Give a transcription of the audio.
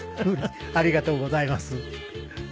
ありがとうございます。